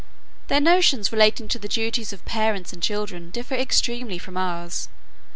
Their notions relating to the duties of parents and children differ extremely from ours.